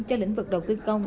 cho lĩnh vực đầu tư công